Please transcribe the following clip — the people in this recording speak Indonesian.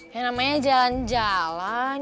ya namanya jalan jalan